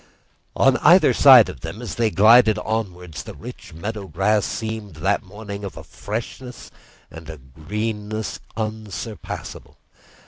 On either side of them, as they glided onwards, the rich meadow grass seemed that morning of a freshness and a greenness unsurpassable.